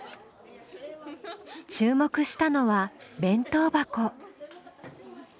注目したのは弁当箱。